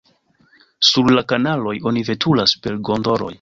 Sur la kanaloj oni veturas per gondoloj.